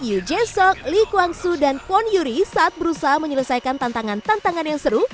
yu jae suk lee kwang soo dan kwon yuri saat berusaha menyelesaikan tantangan tantangan yang seru